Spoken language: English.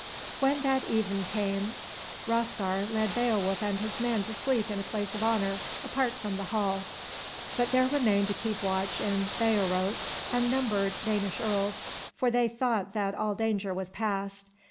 When that even came, Hroth'gar led Beowulf and his men to sleep in a place of honor, apart from the hall, but there remained to keep watch in Heorot unnumbered Danish earls, for they thought that sJl danger was past.